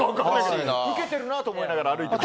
ウケてるなと思いながら歩いてます。